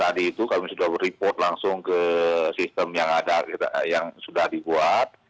tapi tadi itu kami sudah beri report langsung ke sistem yang sudah dibuat